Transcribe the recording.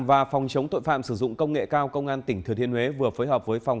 và phòng chống tội phạm sử dụng công nghệ cao công an tỉnh thừa thiên huế vừa phối hợp với phòng